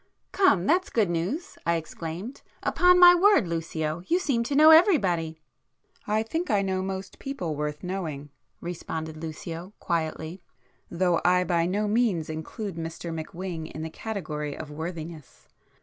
"Come, that's good news!" I exclaimed—"Upon my word Lucio, you seem to know everybody." "I think I know most people worth knowing—" responded Lucio quietly—"Though I by no means include Mr McWhing in the category of worthiness.